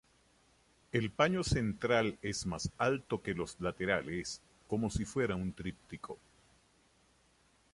El paño central es más alto que los laterales, como si fuera un tríptico.